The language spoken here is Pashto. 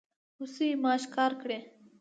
هوسۍ ما ښکار کړي